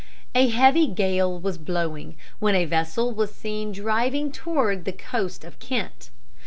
A heavy gale was blowing, when a vessel was seen driving toward the coast of Kent.